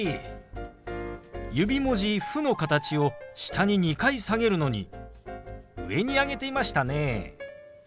指文字「フ」の形を下に２回下げるのに上に上げていましたね。